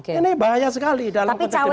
ini bahaya sekali dalam kentang demokrasi